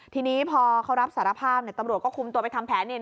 ทีนี้พอเขารับสารภาพตำรวจก็คุมตัวไปทำแผน